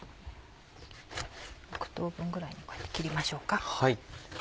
６等分ぐらいにこうやって切りましょうか。